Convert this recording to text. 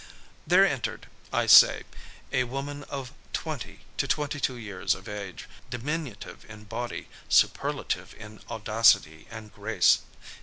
There entered, I say, a woman of twenty to twenty two years of age, diminutive in body, superlative in audacity and grace.